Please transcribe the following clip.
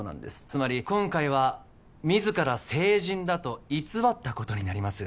つまり今回は自ら成人だと偽ったことになります